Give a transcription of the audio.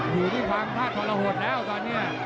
อยู่ที่ภังท่าทะละหดแล้วตอนนี้